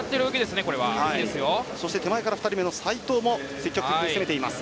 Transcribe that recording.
手前から２人目の齊藤も積極的に攻めています。